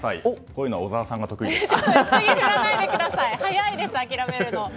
こういうのは小澤さんが得意です。